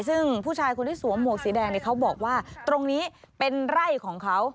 ซึ่งผู้ชายคนที่สวมหวกสีแดงเนี่ยเขาบอกว่าตรงนี้เป็นไร่ของเขา